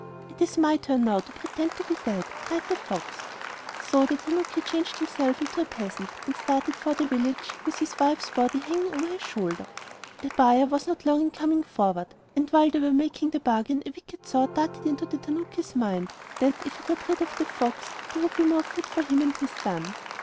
"It is my turn now to pretend to be dead," cried the fox. So the tanuki changed himself into a peasant, and started for the village, with his wife's body hanging over his shoulder. A buyer was not long in coming forward, and while they were making the bargain a wicked thought darted into the tanuki's head, that if he got rid of the fox there would be more food for him and his son.